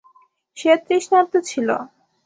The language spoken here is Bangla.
সে তৃষ্ণার্ত ছিল।